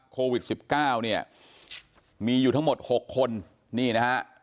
โควิด๑๙เนี่ยมีอยู่ทั้งหมด๖คนนี่นะฮะ